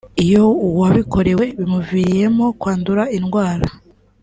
Iyo uwabikorewe bimuviriyemo kwandura indwara